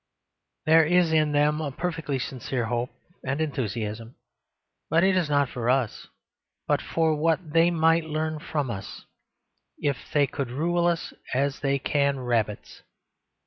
There is in them a perfectly sincere hope and enthusiasm; but it is not for us, but for what they might learn from us, if they could rule us as they can rabbits.